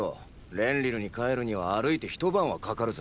レンリルに帰るには歩いて一晩はかかるぜ。